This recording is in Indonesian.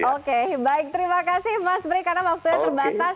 oke baik terima kasih mas bri karena waktunya terbatas